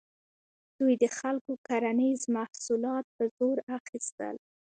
دوی د خلکو کرنیز محصولات په زور اخیستل.